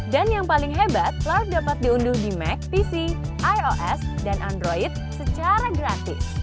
dan yang paling hebat lark dapat diunduh di mac pc ios dan android secara gratis